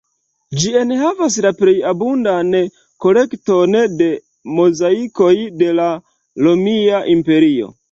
Ĝi enhavas la plej abundan kolekton de mozaikoj de la romia imperio.